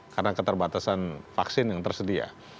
karena keterbatasan vaksin yang tersedia